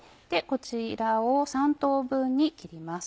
こちらを３等分に切ります。